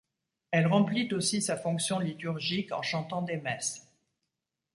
Elle remplit aussi sa fonction liturgique en chantant des messes.